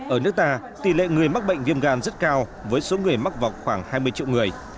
ở nước ta tỷ lệ người mắc bệnh viêm gan rất cao với số người mắc vào khoảng hai mươi triệu người